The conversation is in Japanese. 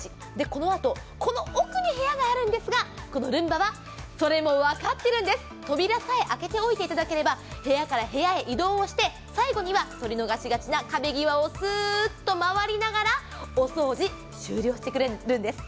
このあと、この奥に部屋があるんですが、このルンバはそれも分かっているんです、扉さえ開けておいていただければ部屋から部屋へ移動して最後には取り逃しがちな壁際をスーッと回りながらお掃除終了してくれるんです。